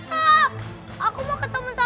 tiara kenapa portengnya ditutup